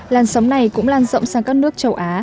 làn sóng này cũng lan rộng sang các nước châu á